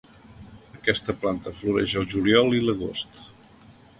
Aquesta planta floreix al juliol i l"agost.